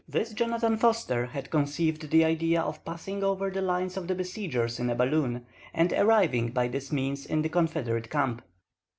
This Jonathan Forster had conceived the idea of passing over the lines of the besiegers in a balloon, and arriving by this means in the Confederate camp.